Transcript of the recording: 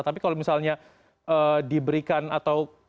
tapi kalau misalnya diberikan atau